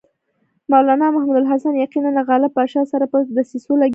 مولنا محمود الحسن یقیناً له غالب پاشا سره په دسیسو لګیا وو.